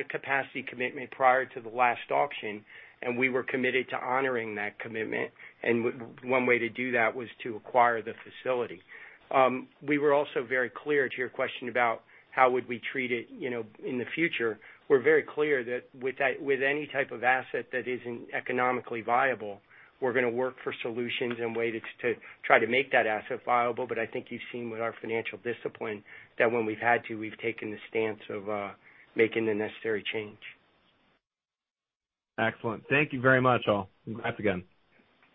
a capacity commitment prior to the last auction, we were committed to honoring that commitment, one way to do that was to acquire the facility. We were also very clear to your question about how would we treat it in the future. We're very clear that with any type of asset that isn't economically viable, we're going to work for solutions and ways to try to make that asset viable. I think you've seen with our financial discipline that when we've had to, we've taken the stance of making the necessary change. Excellent. Thank you very much, all. Congrats again.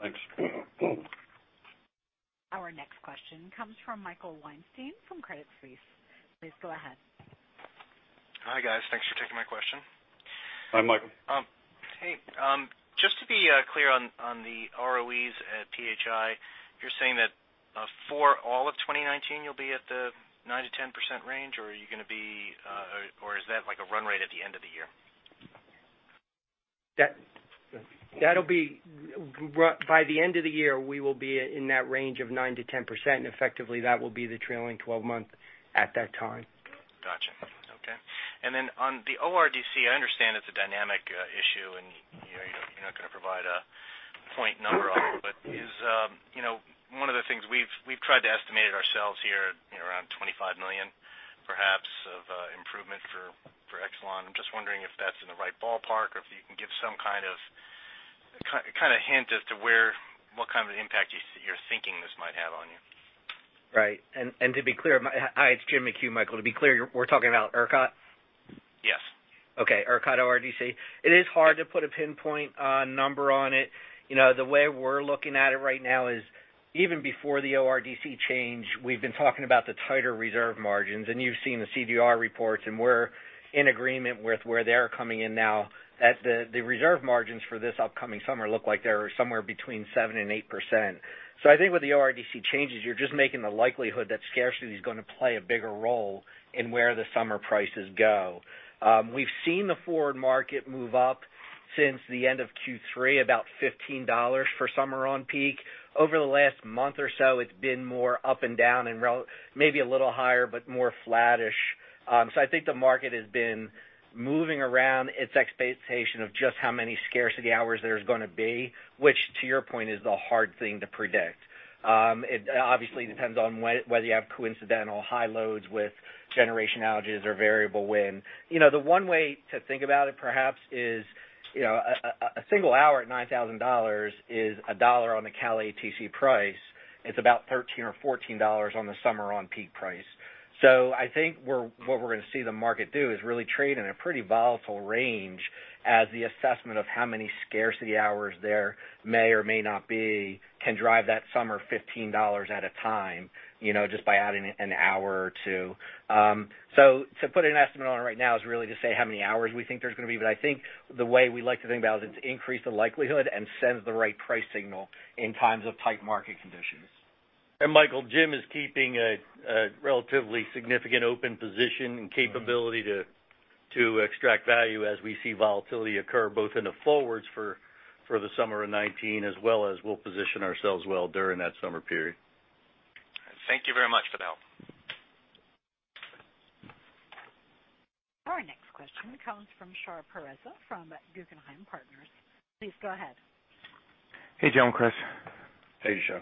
Thanks. Our next question comes from Michael Weinstein from Credit Suisse. Please go ahead. Hi, guys. Thanks for taking my question. Hi, Michael. Hey. Just to be clear on the ROEs at PHI, you're saying that for all of 2019, you'll be at the 9%-10% range, or is that a run rate at the end of the year? By the end of the year, we will be in that range of 9%-10%, and effectively, that will be the trailing 12-month at that time. Got you. Okay. Then on the ORDC, I understand it's a dynamic issue and you're not going to provide a point number on it, but one of the things we've tried to estimate it ourselves here at around $25 million, perhaps, of improvement for Exelon. I'm just wondering if that's in the right ballpark or if you can give some kind of hint as to what kind of impact you're thinking this might have? Right. Hi, it's Jim McHugh, Michael. To be clear, we're talking about ERCOT? Yes. Okay. ERCOT ORDC. It is hard to put a pinpoint number on it. The way we're looking at it right now is even before the ORDC change, we've been talking about the tighter reserve margins, and you've seen the CDR reports, and we're in agreement with where they're coming in now. The reserve margins for this upcoming summer look like they're somewhere between 7% and 8%. I think with the ORDC changes, you're just making the likelihood that scarcity is going to play a bigger role in where the summer prices go. We've seen the forward market move up since the end of Q3, about $15 for summer on-peak. Over the last month or so, it's been more up and down and maybe a little higher, but more flattish. I think the market has been moving around its expectation of just how many scarcity hours there's going to be, which, to your point, is the hard thing to predict. It obviously depends on whether you have coincidental high loads with generation outages or variable wind. The one way to think about it, perhaps, is a single hour at $9,000 is a dollar on the Cal ATC price. It's about $13 or $14 on the summer on-peak price. I think what we're going to see the market do is really trade in a pretty volatile range as the assessment of how many scarcity hours there may or may not be can drive that summer $15 at a time, just by adding an hour or two. To put an estimate on it right now is really to say how many hours we think there's going to be. I think the way we like to think about is it's increased the likelihood and sends the right price signal in times of tight market conditions. Michael, Jim is keeping a relatively significant open position and capability to extract value as we see volatility occur both in the forwards for the summer of 2019 as well as we'll position ourselves well during that summer period. Thank you very much for the help. Our next question comes from Shar Pourreza from Guggenheim Partners. Please go ahead. Hey, Joe and Chris. Hey, Shar.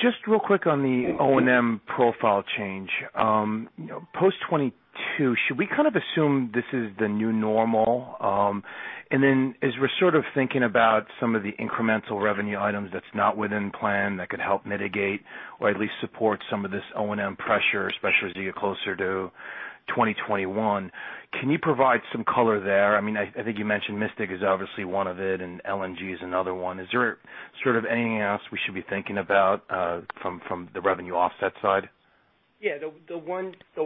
Just real quick on the O&M profile change. Post 2022, should we kind of assume this is the new normal? As we're sort of thinking about some of the incremental revenue items that's not within plan that could help mitigate or at least support some of this O&M pressure, especially as we get closer to 2021, can you provide some color there? I think you mentioned Mystic is obviously one of it, and LNG is another one. Is there sort of anything else we should be thinking about from the revenue offset side? The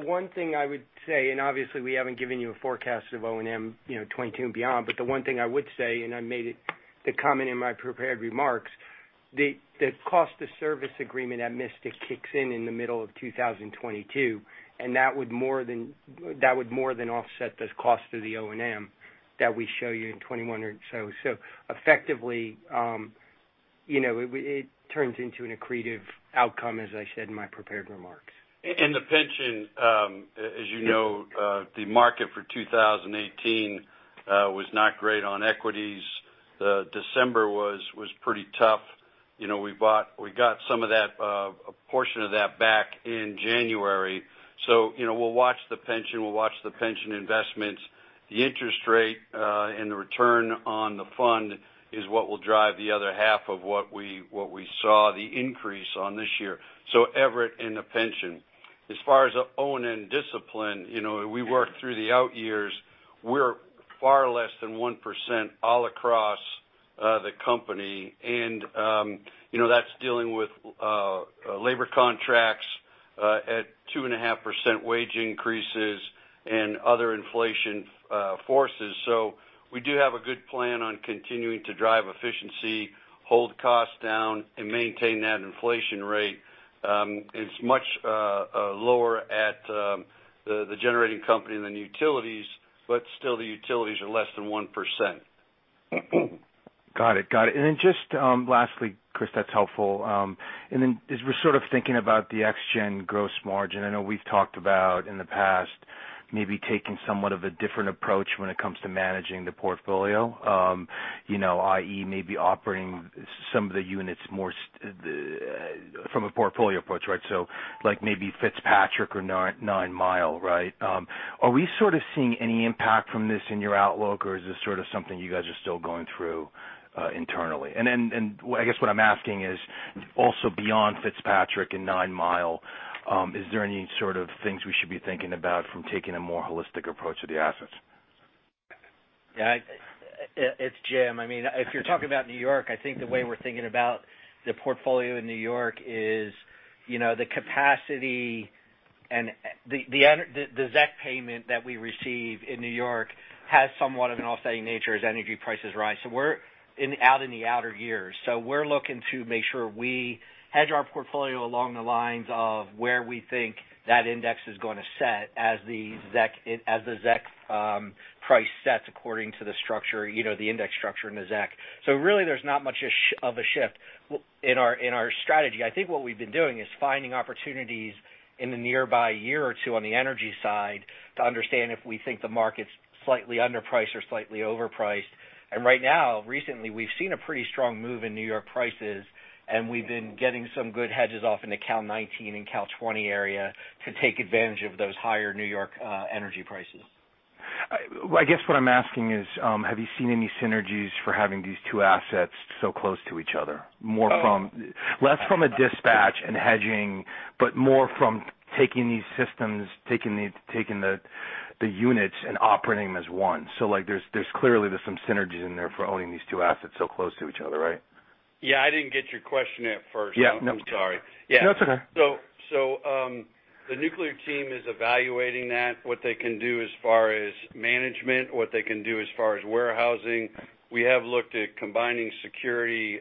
one thing I would say, obviously we haven't given you a forecast of O&M 2022 and beyond, the one thing I would say, and I made it the comment in my prepared remarks, the cost of service agreement at Mystic kicks in in the middle of 2022, and that would more than offset the cost of the O&M that we show you in 2021. Effectively, it turns into an accretive outcome, as I said in my prepared remarks. The pension, as you know, the market for 2018 was not great on equities. December was pretty tough. We got a portion of that back in January. We'll watch the pension investments. The interest rate and the return on the fund is what will drive the other half of what we saw the increase on this year. Everett in the pension. As far as O&M discipline, we work through the out years. We're far less than 1% all across the company. That's dealing with labor contracts at 2.5% wage increases and other inflation forces. We do have a good plan on continuing to drive efficiency, hold costs down, and maintain that inflation rate. It's much lower at the generating company than utilities, but still the utilities are less than 1%. Got it. Lastly, Chris, that's helpful. As we're sort of thinking about the ExGen gross margin, I know we've talked about in the past, maybe taking somewhat of a different approach when it comes to managing the portfolio. I.e., maybe operating some of the units more from a portfolio approach, right? Like maybe FitzPatrick or Nine Mile, right? Are we sort of seeing any impact from this in your outlook? Or is this sort of something you guys are still going through internally? I guess what I'm asking is also beyond FitzPatrick and Nine Mile, is there any sort of things we should be thinking about from taking a more holistic approach to the assets? It's Jim. If you're talking about New York, I think the way we're thinking about the portfolio in New York is the capacity and the ZEC payment that we receive in New York has somewhat of an offsetting nature as energy prices rise. We're out in the outer years. We're looking to make sure we hedge our portfolio along the lines of where we think that index is going to set as the ZEC price sets according to the index structure in the ZEC. Really there's not much of a shift in our strategy. I think what we've been doing is finding opportunities in the nearby year or two on the energy side to understand if we think the market's slightly underpriced or slightly overpriced. Right now, recently, we've seen a pretty strong move in New York prices, and we've been getting some good hedges off into Cal 2019 and Cal 2020 area to take advantage of those higher New York energy prices. I guess what I'm asking is, have you seen any synergies for having these two assets so close to each other? Less from a dispatch and hedging, but more from taking these systems, taking the units, and operating them as one. There's clearly some synergies in there for owning these two assets so close to each other, right? Yeah. I didn't get your question at first. Yeah. I'm sorry. Yeah. No, it's okay. The nuclear team is evaluating that, what they can do as far as management, what they can do as far as warehousing. We have looked at combining security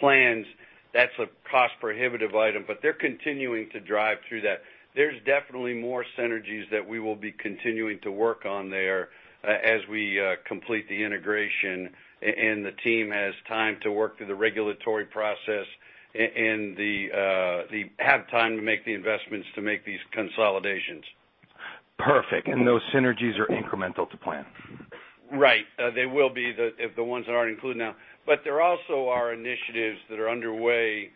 plans. That's a cost-prohibitive item, but they're continuing to drive through that. There's definitely more synergies that we will be continuing to work on there as we complete the integration, and the team has time to work through the regulatory process, and have time to make the investments to make these consolidations. Perfect. Those synergies are incremental to plan? Right. They will be, the ones that aren't included now. There also are initiatives that are underway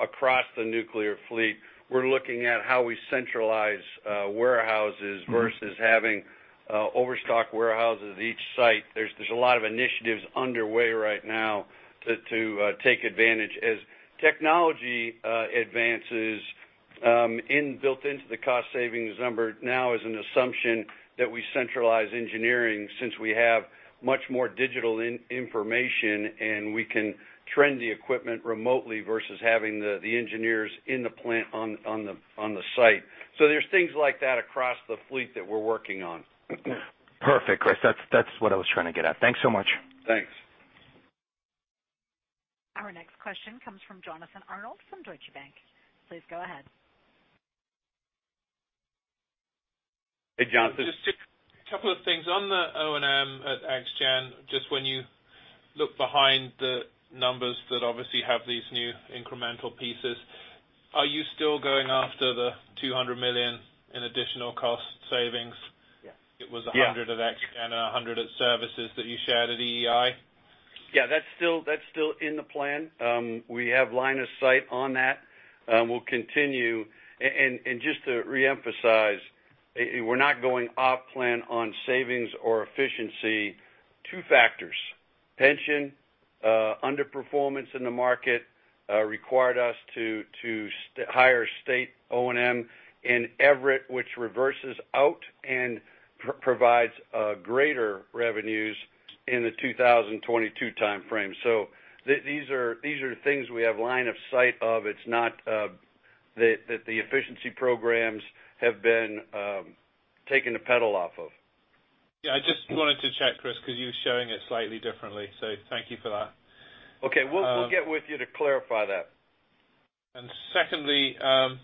across the nuclear fleet. We're looking at how we centralize warehouses versus having overstock warehouses at each site. There's a lot of initiatives underway right now to take advantage. As technology advances, in-built into the cost savings number now is an assumption that we centralize engineering since we have much more digital information, and we can trend the equipment remotely versus having the engineers in the plant on the site. There's things like that across the fleet that we're working on. Perfect, Chris. That's what I was trying to get at. Thanks so much. Thanks. Our next question comes from Jonathan Arnold from Deutsche Bank. Please go ahead. Hey, Jonathan. Just a couple of things. On the O&M at ExGen, just when you look behind the numbers that obviously have these new incremental pieces, are you still going after the $200 million in additional cost savings? Yeah. It was $100 at ExGen and $100 at services that you shared at EEI? Yeah. That's still in the plan. We have line of sight on that. We'll continue. Just to reemphasize, we're not going off plan on savings or efficiency. Two factors, pension underperformance in the market required us to hire state O&M in Everett, which reverses out and provides greater revenues in the 2022 timeframe. These are things we have line of sight of. It's not that the efficiency programs have been taking the pedal off of. Yeah, I just wanted to check, Chris, because you were showing it slightly differently. Thank you for that. Okay. We'll get with you to clarify that. Secondly, I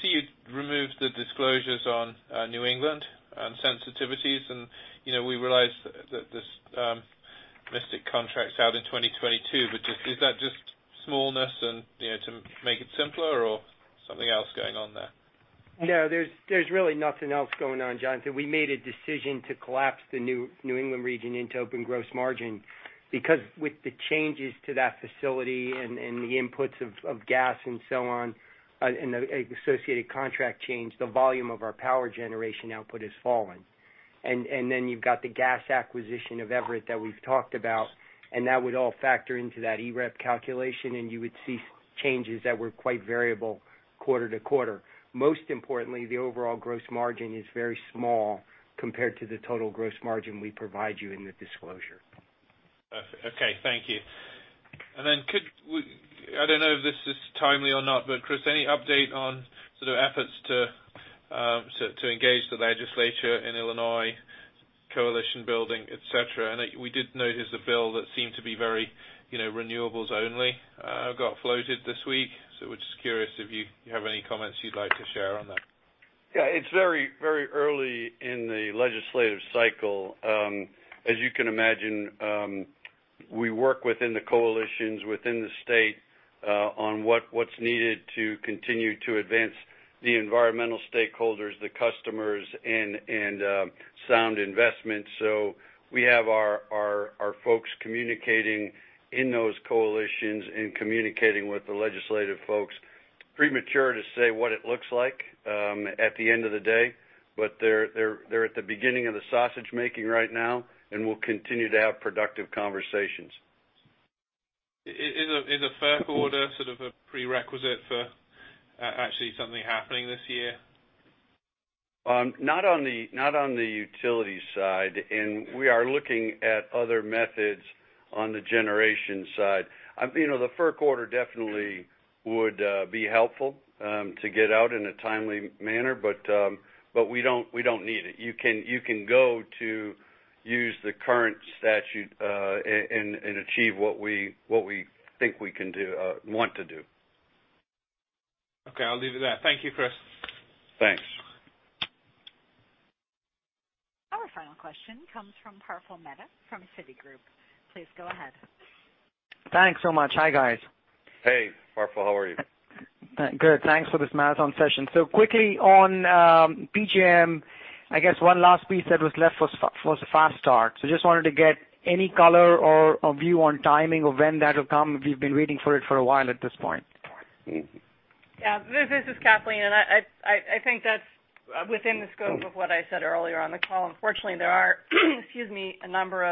see you've removed the disclosures on New England on sensitivities, and we realize that this Mystic contract's out in 2022. Is that just smallness and to make it simpler or something else going on there? No, there's really nothing else going on, Jonathan. We made a decision to collapse the New England region into open gross margin because with the changes to that facility and the inputs of gas and so on, and the associated contract change, the volume of our power generation output has fallen. You've got the gas acquisition of Everett that we've talked about, and that would all factor into that EREV calculation, and you would see changes that were quite variable quarter to quarter. Most importantly, the overall gross margin is very small compared to the total gross margin we provide you in the disclosure. Okay. Thank you. I don't know if this is timely or not, Chris, any update on sort of efforts to engage the legislature in Illinois, coalition building, et cetera? We did notice a bill that seemed to be very renewables only got floated this week. We're just curious if you have any comments you'd like to share on that. Yeah, it's very early in the legislative cycle. As you can imagine, we work within the coalitions within the state on what's needed to continue to advance the environmental stakeholders, the customers, and sound investments. We have our folks communicating in those coalitions and communicating with the legislative folks. Premature to say what it looks like at the end of the day, they're at the beginning of the sausage-making right now, we'll continue to have productive conversations. Is a FERC order sort of a prerequisite for actually something happening this year? Not on the utility side, we are looking at other methods on the generation side. The FERC order definitely would be helpful to get out in a timely manner, we don't need it. You can go to use the current statute, achieve what we think we want to do. Okay. I'll leave it there. Thank you, Chris. Thanks. Our final question comes from Praful Mehta from Citigroup. Please go ahead. Thanks so much. Hi, guys. Hey, Praful. How are you? Good. Thanks for this marathon session. Quickly on PJM, I guess one last piece that was left was the Fast Start. Just wanted to get any color or view on timing of when that'll come. We've been waiting for it for a while at this point. Yeah. This is Kathleen, I think that's within the scope of what I said earlier on the call. Unfortunately, there are a number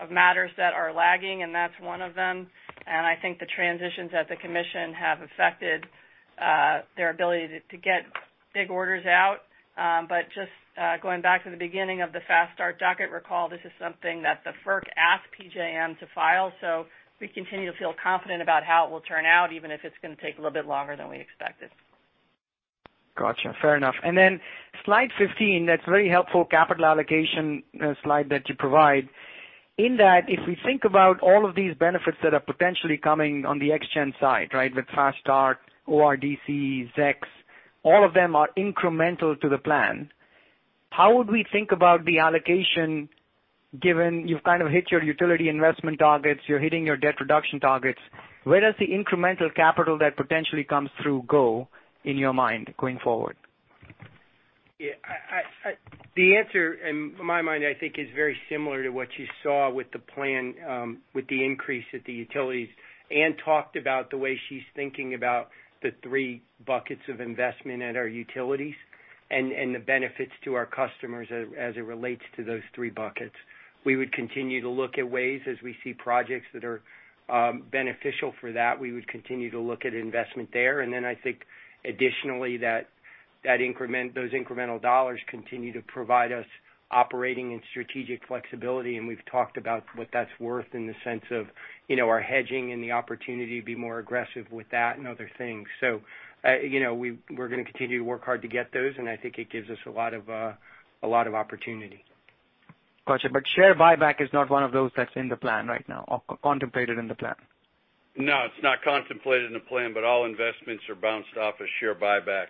of matters that are lagging, and that's one of them. I think the transitions at the Commission have affected their ability to get big orders out. Just going back to the beginning of the Fast Start docket recall, this is something that the FERC asked PJM to file. We continue to feel confident about how it will turn out, even if it's going to take a little bit longer than we expected. Got you. Fair enough. Then slide 15, that's very helpful capital allocation slide that you provide. In that, if we think about all of these benefits that are potentially coming on the Exelon Gen side, right, with Fast Start, ORDC, ZECs, all of them are incremental to the plan. How would we think about the allocation given you've kind of hit your utility investment targets, you're hitting your debt reduction targets. Where does the incremental capital that potentially comes through go in your mind going forward? Yeah. The answer in my mind, I think, is very similar to what you saw with the plan, with the increase at the utilities. Anne talked about the way she's thinking about the three buckets of investment at our utilities and the benefits to our customers as it relates to those three buckets. We would continue to look at ways as we see projects that are beneficial for that, we would continue to look at investment there. Then I think additionally those incremental dollars continue to provide us operating and strategic flexibility, and we've talked about what that's worth in the sense of our hedging and the opportunity to be more aggressive with that and other things. We're going to continue to work hard to get those, and I think it gives us a lot of opportunity. Got you. Share buyback is not one of those that's in the plan right now or contemplated in the plan? No, it's not contemplated in the plan, but all investments are bounced off a share buyback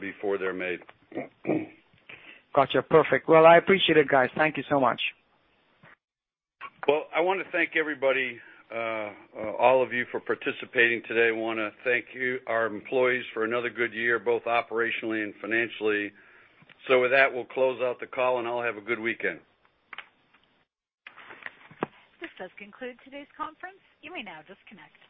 before they're made. Got you. Perfect. I appreciate it, guys. Thank you so much. I want to thank everybody, all of you for participating today. I want to thank our employees for another good year, both operationally and financially. With that, we'll close out the call, and all have a good weekend. This does conclude today's conference. You may now disconnect.